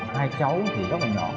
hai cháu thì rất là nhỏ